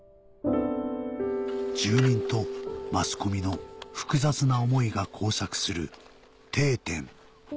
住民とマスコミの複雑な思いが交錯する「定点」